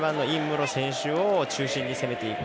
ろ選手を中心に攻めていく。